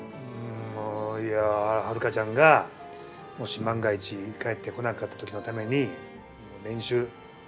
いやハルカちゃんがもし万が一帰ってこなかった時のために練習。